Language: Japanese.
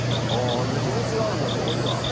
じゃあ秘密があるんだそこには。